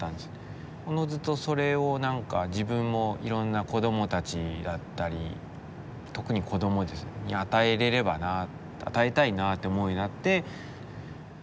おのずとそれを自分もいろんな子どもたちだったり特に子どもですね。に与えれればなって与えたいなって思うようになって。